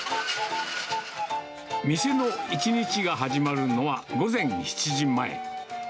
店の一日が始まるのは午前７時前。